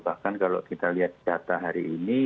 bahkan kalau kita lihat data hari ini